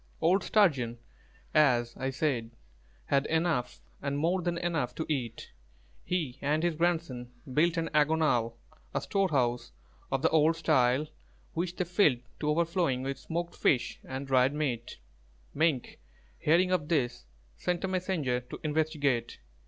Old Sturgeon, as I said, had enough and more than enough to eat. He and his grandson built an "āgonal," a storehouse of the old style, which they filled to overflowing with smoked fish and dried meat. Mink, hearing of this, sent a messenger to investigate.